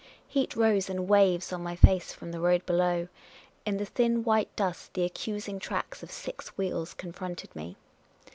Heat rose in waves on my face from the road below ; in the thin white dust the accusing tracks of six wheels confronted me.